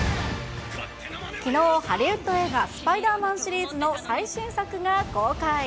きのう、ハリウッド映画、スパイダーマンシリーズの最新作が公開。